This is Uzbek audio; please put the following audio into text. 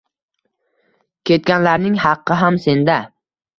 Ketganlarning haqqi ham senda…»